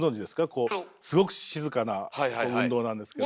こうすごく静かな運動なんですけど。